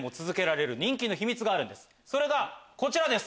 それがこちらです。